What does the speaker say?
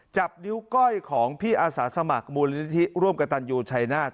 จับนิ้วก้อยของพี่อาสาสมัครมูลนิธิร่วมกับตันยูชัยนาธิ